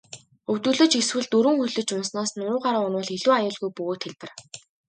Өвдөглөж эсвэл дөрвөн хөллөж унаснаас нуруугаараа унавал илүү аюулгүй бөгөөд хялбар.